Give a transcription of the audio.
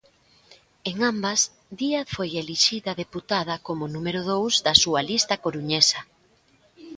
En ambas, Díaz foi elixida deputada como número dous da súa lista coruñesa.